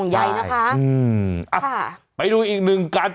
โอ้โหโอ้โห